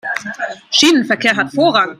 Schienenverkehr hat Vorrang.